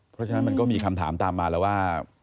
เพราะฉะนั้นมันก็มีคำถามตามมาแล้วว่า